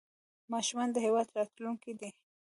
ماشومان د هېواد راتلونکی دی